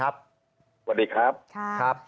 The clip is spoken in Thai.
สวัสดีครับ